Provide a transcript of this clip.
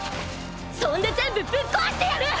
そんで全部ぶっ壊してやる！！